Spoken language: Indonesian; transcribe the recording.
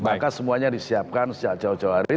maka semuanya disiapkan sejak jauh jauh hari